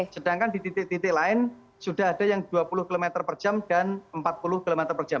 sedangkan di titik titik lain sudah ada yang dua puluh km per jam dan empat puluh km per jam